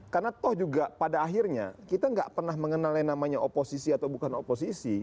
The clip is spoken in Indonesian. karena toh juga pada akhirnya kita nggak pernah mengenal namanya oposisi atau bukan oposisi